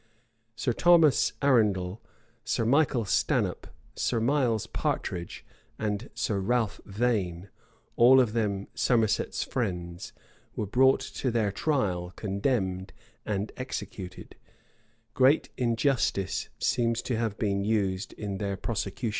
Sir Thomas Arundel, Sir Michael Stanhope, Sir Miles Partridge, and Sir Ralph Vane, all of them Somerset's friends, were brought to their trial, condemned, and executed: great injustice seems to have been used in their prosecution.